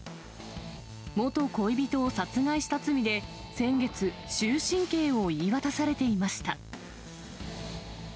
元恋人を殺害した罪で、先月、終身刑を言い渡されていました。